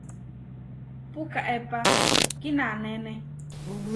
Pukaépa kinanéne.